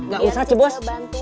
gak usah coy bos